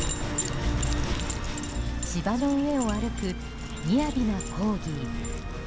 芝の上を歩く雅なコーギー。